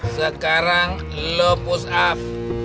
sekarang lo pus af